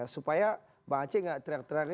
supaya mbak aceh gak teriak teriak